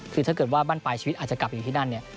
คือถ้าเกิดว่าบ้านปลายชีวิตอาจจะกลับอยู่ที่นั่นเนี่ย